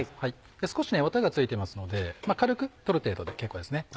少しワタが付いてますので軽く取る程度で結構ですね。